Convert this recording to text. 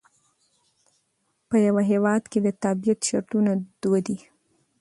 په یوه هیواد کښي د تابیعت شرطونه دوه دي.